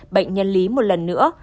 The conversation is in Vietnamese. bệnh nhân lý một lần nữa